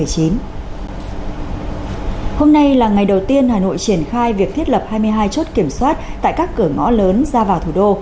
hôm nay là ngày đầu tiên hà nội triển khai việc thiết lập hai mươi hai chốt kiểm soát tại các cửa ngõ lớn ra vào thủ đô